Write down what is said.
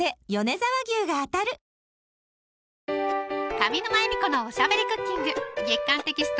上沼恵美子のおしゃべりクッキング月刊テキスト